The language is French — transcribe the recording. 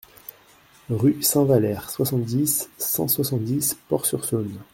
Rue Saint-Valère, soixante-dix, cent soixante-dix Port-sur-Saône